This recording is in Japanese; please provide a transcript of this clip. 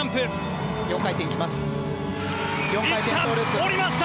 降りました！